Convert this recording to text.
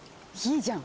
いいじゃん！